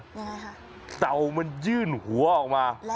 ยังไงคะเต่ามันยื่นหัวออกมา